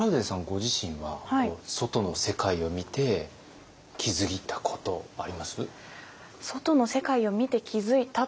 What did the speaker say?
ご自身は外の世界を見て気付いたことあります？